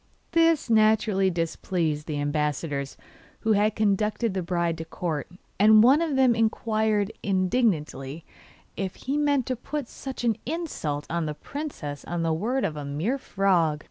This naturally displeased the ambassadors who had conducted the bride to court, and one of them inquired indignantly if he meant to put such an insult on the princess on the word of a mere frog.